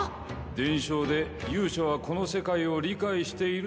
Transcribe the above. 伝承で勇者はこの世界を理解しているとされている。